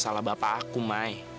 salah bapak aku mai